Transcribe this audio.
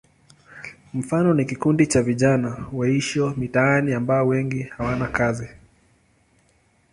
Mfano ni kikundi cha vijana waishio mitaani ambao wengi hawana kazi.